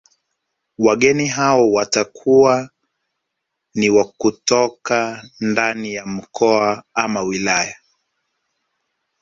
Wageni hao watakuwa ni kutokana ndani ya mkoa ama wilaya